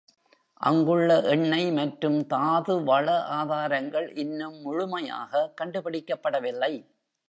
அங்குள்ள எண்ணெய் மற்றும் தாதுவள ஆதாரங்கள் இன்னும் முழுமையாக கண்டுபிடிக்கப்படவில்லை.